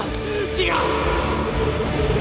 違う！